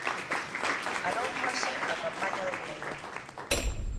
Alóngase a campaña da vieira.